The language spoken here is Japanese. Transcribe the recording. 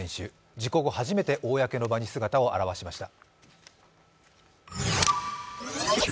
事故後、初めて公の場に姿を現しました。